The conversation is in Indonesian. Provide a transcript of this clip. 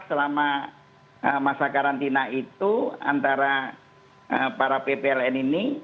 selama masa karantina itu antara para ppln ini